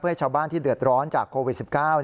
ให้ชาวบ้านที่เดือดร้อนจากโควิด๑๙